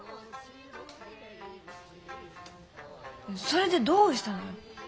それでどうしたのよ。